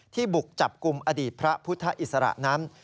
บุกจับกลุ่มอดีตพระพุทธอิสระนั้น